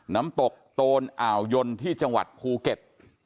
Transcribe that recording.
น้ำตกโตนอ่าวยนที่จังหวัดภูเก็ต